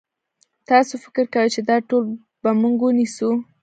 تاسو فکر کوئ چې دا ټول به موږ ونیسو؟